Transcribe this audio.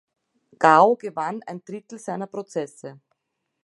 Gao gewann ein Drittel seiner Prozesse.